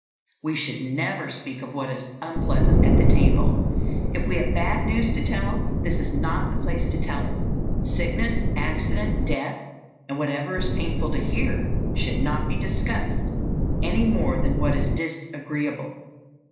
We should never speak of what is unpleasant at the table. If we have bad news to tell, this is not the place to tell it. Sickness, accident, death, and whatever is painful to hear, should not be discussed any more than what is disagreeable.